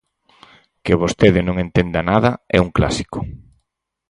Que vostede non entenda nada é un clásico.